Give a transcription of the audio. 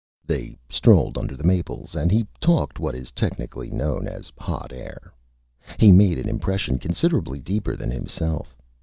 They strolled under the Maples, and he talked what is technically known as Hot Air. He made an Impression considerably deeper than himself.